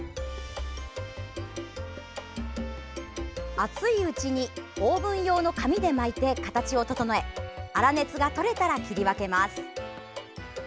熱いうちにオーブン用の紙で巻いて形を整え粗熱がとれたら、切り分けます。